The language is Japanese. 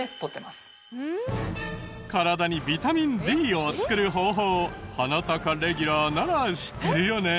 体にビタミンＤを作る方法『ハナタカ』レギュラーなら知ってるよね？